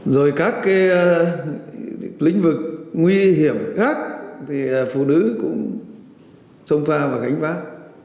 rồi các lĩnh vực nguy hiểm khác phụ nữ cũng xông pha và gánh vác